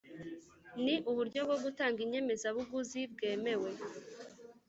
Ni uburyo bwo gutanga inyemezabuguzi bwemewe